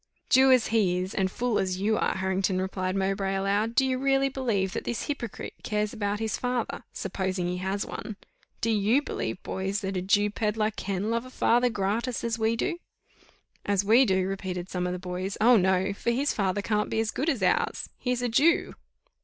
"Jew as he is, and fool as you are, Harrington," replied Mowbray, aloud, "do you really believe that this hypocrite cares about his father, supposing he has one? Do you believe, boys, that a Jew pedlar can love a father gratis, as we do?" "As we do!" repeated some of the boys: "Oh! no, for his father can't be as good as ours he is a Jew!"